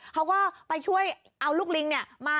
เขาก็ไปช่วยเอาลูกลิงมา